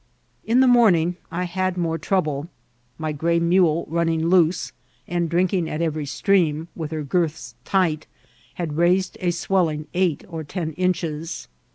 In the morning I had more trouble. My gray mule running loose, and drinking at every stream, with her girths tight, had raised a swelling eight or ten inches.